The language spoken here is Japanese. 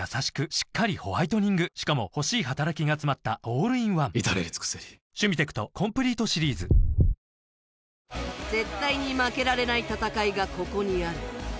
しっかりホワイトニングしかも欲しい働きがつまったオールインワン至れり尽せり絶対に負けられない戦いがここにある